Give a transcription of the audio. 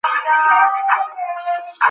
এইসব দোকানগুলোতে তোমাকে একাধিকবার যেতে হবে।